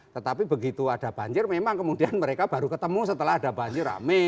tetapi begitu ada banjir memang kemudian mereka baru ketemu setelah ada banjir rame